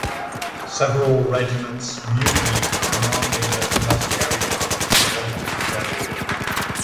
Several regiments mutinied demanding that Muskerry should be appointed general.